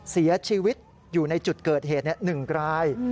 เสียชีวิตอยู่ในจุดเกิดเหตุ๑ราย